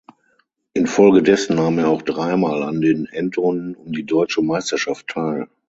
Infolgedessen nahm er auch dreimal an den Endrunden um die Deutsche Meisterschaft teil.